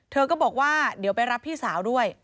เธอก็บอกว่าเดี๋ยวไปรับพี่สาวด้วย